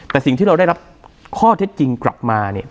แต่สิ่งที่เราได้รับข้อเท็จจริงกลับมาเนี่ย